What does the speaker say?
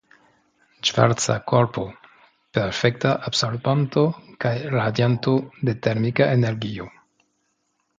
Ŝvarca Korpo: Perfekta absorbanto kaj radianto de termika energio.